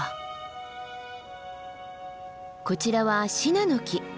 こちらはシナノキ。